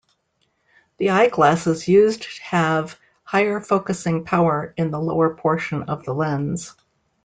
The eyeglasses used have higher focussing power in the lower portion of the lens.